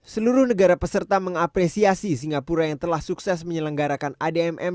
seluruh negara peserta mengapresiasi singapura yang telah sukses menyelenggarakan admm